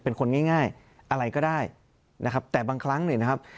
เป็นคนง่ายอะไรก็ได้นะครับแต่บางครั้งเนี่ยนะครับ